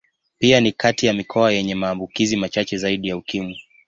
Pia ni kati ya mikoa yenye maambukizi machache zaidi ya Ukimwi.